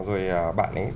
rồi bạn ấy